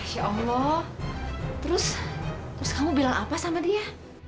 ya allah terus terus kamu bilang apa sama dia